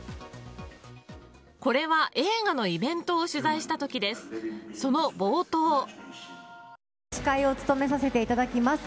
これは、映画のイベントを取材した時です。